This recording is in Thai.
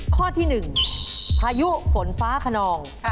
ข้อที่๑พายุฝนฟ้าขนอง